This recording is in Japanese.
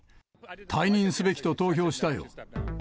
退任すべきと投票したよ。